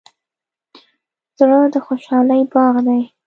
زړه د خوشحالۍ باغ دی.